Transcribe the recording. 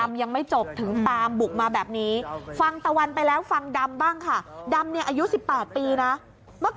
อ่าทีนี้พอมาถึงเนี้ยน่ะเดี๋ยวฟังในดำเขาพูดหน่อยล่ะกันค่ะ